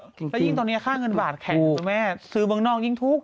แล้วยิ่งตอนนี้ค่าเงินบาทแข่งสื้อเมืองนอกยิ่งถูก